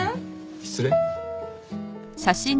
失礼。